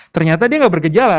ternyata dia gak bergejala